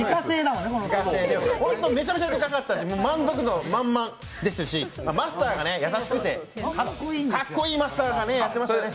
ほんと、めちゃめちゃデカかったし満足度満々でしたし、マスターが優しくて、かっこいいマスターがやってましたね。